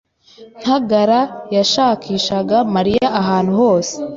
Ntagara yashakishaga Mariya ahantu hose.